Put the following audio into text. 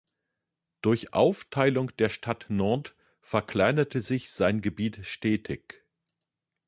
Durch Aufteilung der Stadt Nantes verkleinerte sich sein Gebiet stetig.